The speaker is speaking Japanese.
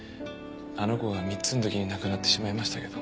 あの子が３つの時に亡くなってしまいましたけど。